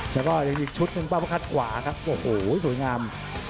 แล้วก็ยังมีชุดนึงปรับประคัตขวาครับโอ้โหสวยงาม